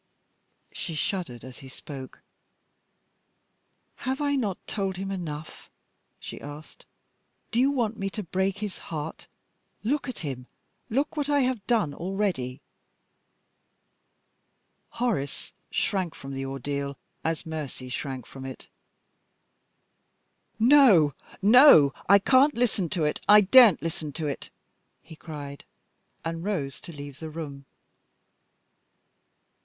She shuddered as he spoke. "Have I not told him enough?" she asked. "Do you want me to break his heart? Look at him! Look what I have done already!" Horace shrank from the ordeal as Mercy shrank from it. "No, no! I can't listen to it! I daren't listen to it!" he cried, and rose to leave the room.